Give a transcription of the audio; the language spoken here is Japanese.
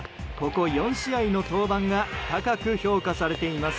ここ４試合の登板が高く評価されています。